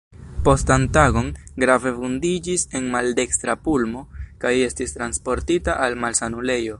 Postan tagon grave vundiĝis en maldekstra pulmo kaj estis transportita al malsanulejo.